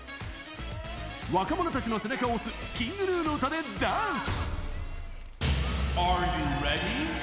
若者たちの背中を押すＫｉｎｇＧｎｕの歌でダンス。